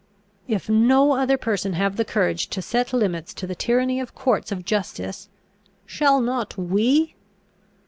If no other person have the courage to set limits to the tyranny of courts of justice, shall not we?